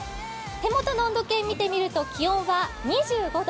手元の温度計を見てみると気温は２５度。